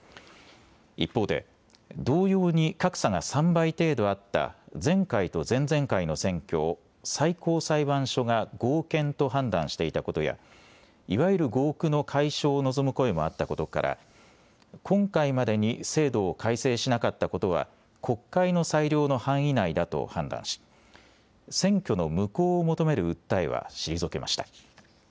一方で、同様に格差が３倍程度あった、前回と前々回の選挙を最高裁判所が合憲と判断していたことや、いわゆる合区の解消を望む声もあったことから、今回までに制度を改正しなかったことは、国会の裁量の範囲内だと判断し、選挙の無効を求める訴えは退けました。